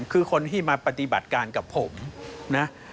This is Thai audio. คือคนที่มาปฏิบัติการกับผมนะ